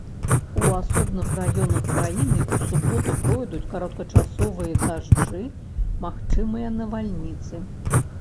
У асобных раёнах краіны ў суботу пройдуць кароткачасовыя дажджы, магчымыя навальніцы.